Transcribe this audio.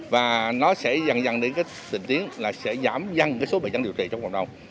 và nó sẽ dần dần đến cái tình tiến là sẽ giảm dần số bệnh nhân điều trị trong cộng đồng